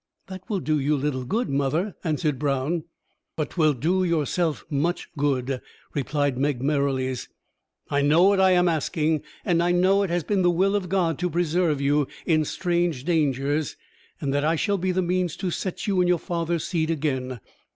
"That will do you little good, mother," answered Brown. "But 'twill do yourself much good," replied Meg Merrilies. "I know what I am asking, and I know it has been the will of God to preserve you in strange dangers, and that I shall be the means to set you in your father's seat again.